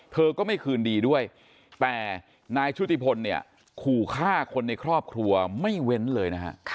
เธอก็ไม่คืนดีด้วยแต่นายชุติพลเนี่ยขู่ฆ่าคนในครอบครัวไม่เว้นเลยนะฮะ